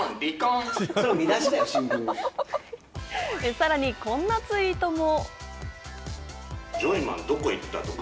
さらにこんなツイートも。